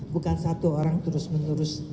bukan satu orang terus menerus